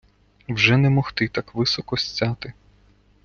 Вже не могти так високо сцяти